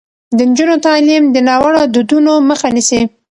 د نجونو تعلیم د ناوړه دودونو مخه نیسي.